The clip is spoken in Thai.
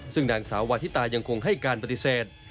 ซึ่งนางสาววาทิตายังคงให้การปฏิเสธ